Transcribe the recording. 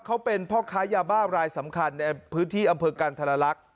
เขาเป็นพ่อค้ายาบ้ารายสำคัญในพื้นที่อำเภอกันธรรลักษณ์